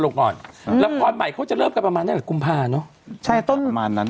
ลงแบบนี้เขาเริ่มเงื่อกว่านั้นหรอกุมภาเนาะ